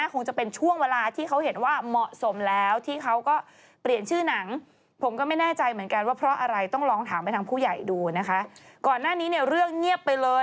คนเลยมองว่ามันมีปัญหาหรือเปล่ากับหนังเรื่องนี้